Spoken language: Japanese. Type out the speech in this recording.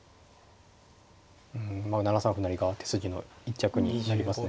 うんまあ７三歩成が手筋の一着になりますね